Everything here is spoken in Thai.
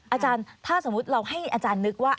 อาจารย์ถ้าสมมุติเราให้อาจารย์นึกว่า